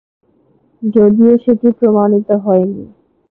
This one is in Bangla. যদিও সেটি প্রমাণিত হয়নি।